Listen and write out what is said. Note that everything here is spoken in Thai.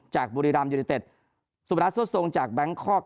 จากบุรีรามยูริเต็ดสุภาษณ์สวดทรงจากแบงค์คอร์ก